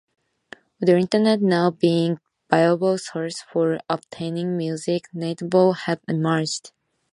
With the Internet now being a viable source for obtaining music, netlabels have emerged.